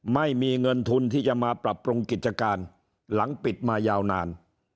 ไม่มีเงินทุนที่จะมาปรับปรุงกิจการหลังปิดมายาวนาน